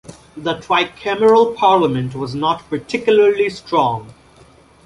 The tricameral parliament was not particularly strong.